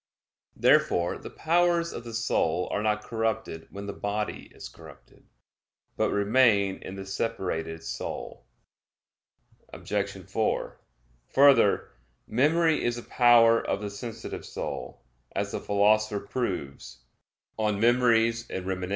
Therefore the powers of the soul are not corrupted when the body is corrupted, but remain in the separated soul. Obj. 4: Further, memory is a power of the sensitive soul, as the Philosopher proves (De Memor. et Remin.